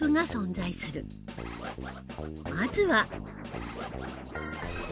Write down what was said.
まずは。